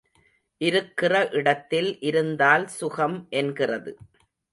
இருக்கிற இடத்தில் இருந்தால் சுகம் என்கிறது.